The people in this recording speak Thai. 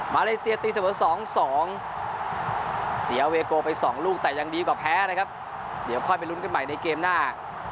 เลเซียตีเสมอ๒๒เสียเวโกไป๒ลูกแต่ยังดีกว่าแพ้นะครับเดี๋ยวค่อยไปลุ้นกันใหม่ในเกมหน้า